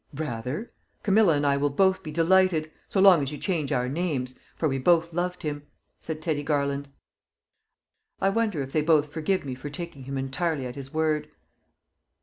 "Rather! Camilla and I will both be delighted so long as you change our names for we both loved him!" said Teddy Garland. I wonder if they both forgive me for taking him entirely at his word?